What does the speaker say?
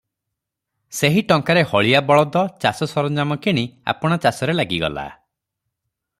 ସେହି ଟଙ୍କାରେ ହଳିଆ ବଳଦ, ଚାଷ ସରଞ୍ଜାମ କିଣି ଆପଣା ଚାଷରେ ଲାଗିଗଲା ।